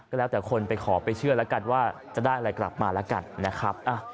ก็แล้วแต่คนไปขอไปเชื่อแล้วกันว่าจะได้อะไรกลับมาแล้วกันนะครับ